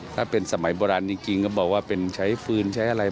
ถ้าเป็นสมัยโบราณจริงก็บอกว่าเป็นใช้ฟืนใช้อะไร